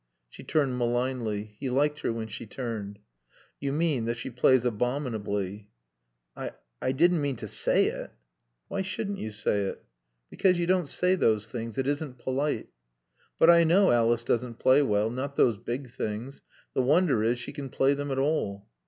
She turned malignly. He liked her when she turned. "You mean that she plays abominably." "I didn't mean to say it." "Why shouldn't you say it?" "Because you don't say those things. It isn't polite." "But I know Alice doesn't play well not those big things. The wonder is she can play them at all."